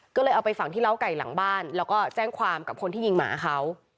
ก็เลยเอาไปฝังที่เล้าไก่หลังบ้านแล้วก็แจ้งความกับคนที่ยิงหมาเขา